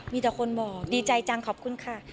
มีแต่คนบอกดีใจจังขอบคุณค่ะ